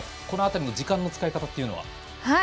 この辺りの時間の使い方というのは。